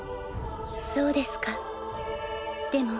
そうですかでも